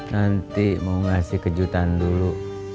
nanti mau ngasih kejutan dulu